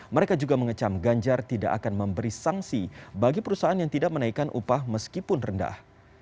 mereka juga mengecam ganjar tidak akan memberi sanksi bagi perusahaan yang tidak menaikkan upah meskipun rendah